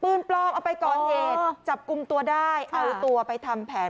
ปลอมเอาไปก่อเหตุจับกลุ่มตัวได้เอาตัวไปทำแผน